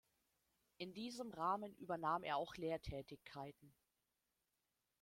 In diesem Rahmen übernahm er auch Lehrtätigkeiten.